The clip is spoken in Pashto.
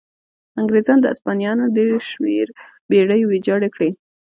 انګرېزانو د هسپانویانو ډېر شمېر بېړۍ ویجاړې کړې.